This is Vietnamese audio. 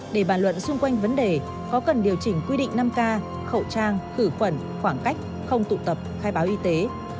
để bàn luận xung quanh vấn đề có cần điều chỉnh quy định năm k khẩu trang khử khuẩn khoảng cách không tụ tập khai báo y tế